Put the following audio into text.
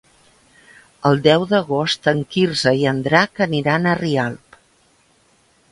El deu d'agost en Quirze i en Drac aniran a Rialp.